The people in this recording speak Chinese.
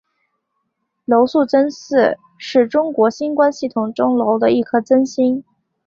娄宿增四是中国星官系统中娄的一颗增星。